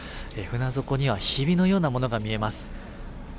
船底にはひびのようなものが見えます。